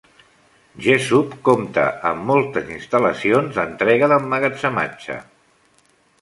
Jessup compta amb moltes instal·lacions d'entrega d'emmagatzematge.